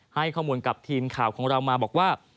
ให้ข้อมูลกับทีมข่าวของเรามาบอกว่า